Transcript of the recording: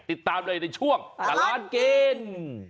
ติดตามเลยในช่วงตลาดกิน